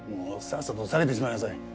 さっさと下げてしまいなさい。